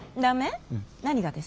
何がです？